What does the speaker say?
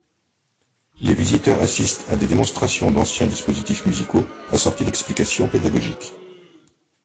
Les visiteurs assistent à des démonstrations d'anciens dispositifs musicaux assortis d'explications pédagogiques.